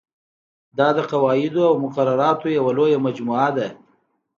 دا د قواعدو او مقرراتو یوه لویه مجموعه ده.